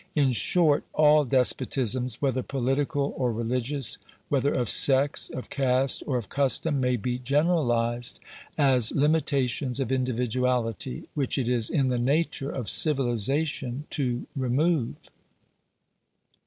In short, all despotisms, whether political or religious, whether of sex, of caste, or of custom, may be generalized as limitations of individuality, which it is in the nature of civilization to remove.